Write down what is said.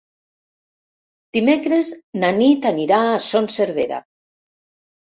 Dimecres na Nit anirà a Son Servera.